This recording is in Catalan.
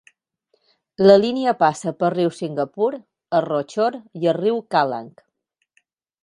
La línia passa pel riu Singapur, el Rochor i el riu Kallang.